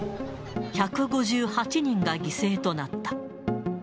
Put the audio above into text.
１５８人が犠牲となった。